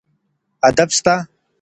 ادب سته.